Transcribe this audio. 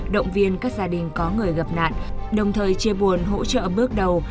động viên các gia đình có người gặp nạn đồng thời chia buồn hỗ trợ bước đầu